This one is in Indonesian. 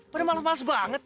pada males males banget